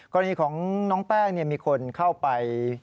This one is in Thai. กรณีของน้องแป้งมีคนเข้าไป